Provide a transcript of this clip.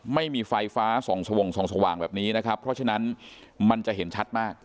ไม่มีไฟฟ้าส่องสวงส่องสว่างแบบนี้นะครับเพราะฉะนั้นมันจะเห็นชัดมาก